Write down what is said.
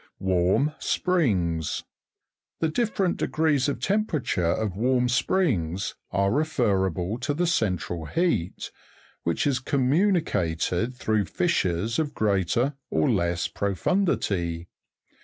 2. Warm springs. The different degrees of temperature of warm springs are referable to the central heat, which is communi cated through fissures of greater or less profundity.